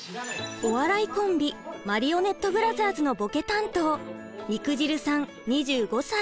お笑いコンビマリオネットブラザーズのぼけ担当肉汁さん２５歳。